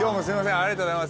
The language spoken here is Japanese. ありがとうございます